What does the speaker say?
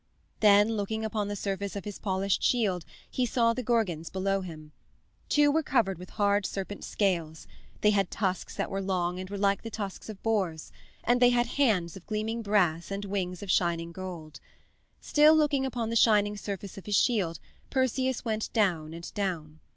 Then, looking upon the surface of his polished shield, he saw the Gorgons below him. Two were covered with hard serpent scales; they had tusks that were long and were like the tusks of boars, and they had hands of gleaming brass and wings of shining gold. Still looking upon the shining surface of his shield Perseus went down and down.